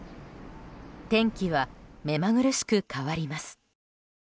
天気は目まぐるしく変わります。